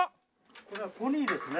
これはポニーですね。